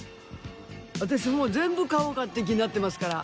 私もう全部買おうかっていう気になってますから。